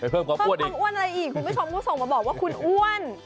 เพิ่มความอ้วนความอ้วนอะไรอีกคุณผู้ชมก็ส่งมาบอกว่าคุณอ้วน